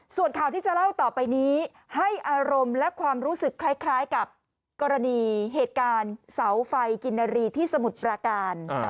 ส่วนข่าวที่จะเล่าต่อไปนี้ให้อารมณ์และความรู้สึกคล้ายกับกรณีเหตุการณ์เสาไฟกินนารีที่สมุทรปราการ